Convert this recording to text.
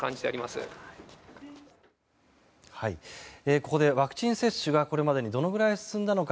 ここでワクチン接種がこれまでにどのぐらい進んだのか